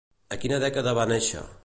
A quina dècada va néixer?